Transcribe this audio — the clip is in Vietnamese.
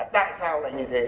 tại sao là như thế